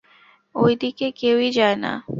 ঐ দিকে কেউই যায় না।